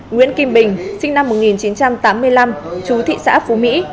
nguyễn kim bình sinh năm một nghìn chín trăm tám mươi năm chú thị xã phú mỹ